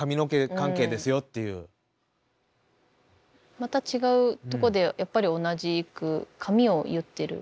また違うとこでやっぱり同じく髪を結ってる。